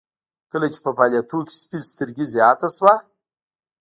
کله چې په فعاليتونو کې سپين سترګي زياته شوه.